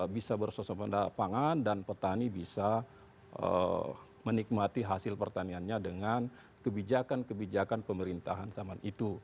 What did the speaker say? bisa bersosok pada pangan dan petani bisa menikmati hasil pertaniannya dengan kebijakan kebijakan pemerintahan zaman itu